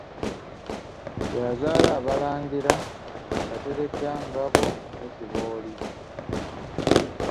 Yazaala Abalangira Kateregga, Ngabo ne Kibooli.